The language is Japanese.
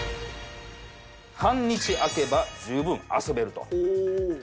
半日空けば十分遊べると。